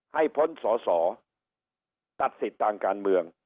พ้นสอสอตัดสิทธิ์ทางการเมือง